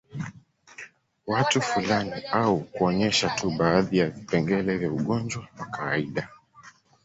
Watu fulani au kuonyesha tu baadhi ya vipengele vya ugonjwa wa kawaida